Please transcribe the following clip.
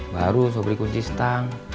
baru sobri kunci stang